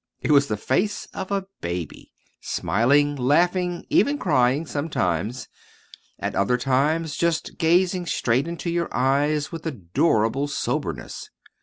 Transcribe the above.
It was the face of a baby: smiling, laughing, even crying, sometimes; at other times just gazing straight into your eyes with adorable soberness.